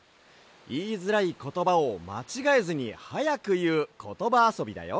いいづらいことばをまちがえずにはやくいうことばあそびだよ。